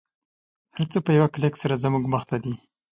هر څه په یوه کلیک سره زموږ مخته دی